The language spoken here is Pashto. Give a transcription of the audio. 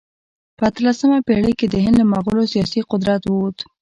په اتلسمه پېړۍ کې د هند له مغولو سیاسي قدرت ووت.